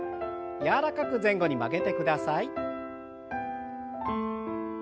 柔らかく前後に曲げてください。